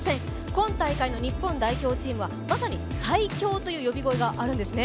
今大会の日本代表チームはまさに最強という呼び声があるんですね。